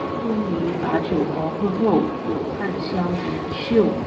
东篱把酒黄昏后，有暗香盈袖